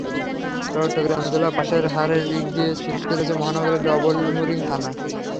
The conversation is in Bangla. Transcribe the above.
চট্টগ্রাম জেলায় পাসের হারের দিক দিয়ে শীর্ষে রয়েছে মহানগরের ডবলমুরিং থানা।